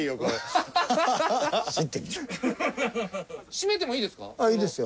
閉めてもいいですか？